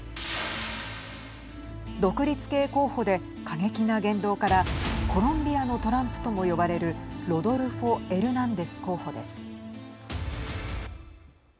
独立系候補で過激な言動からコロンビアのトランプとも呼ばれるロドルフォ・エルナンデス候補です。